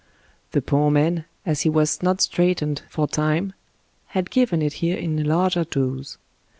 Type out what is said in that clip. The poor man, as he was not straitened for time, had given it here in a larger dose.